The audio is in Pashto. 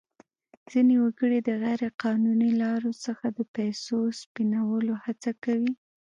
ځینې وګړي د غیر قانوني لارو څخه د پیسو سپینولو هڅه کوي.